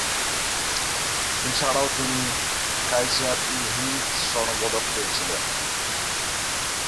এছাড়াও তিনি কাইজার-ই-হিন্দ স্বর্ণপদক পেয়েছিলেন।